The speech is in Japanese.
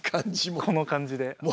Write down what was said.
この感じも。